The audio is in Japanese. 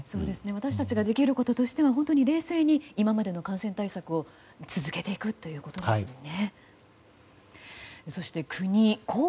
私たちができることとしては本当に冷静に今までの感染対策を続けていくということですよね。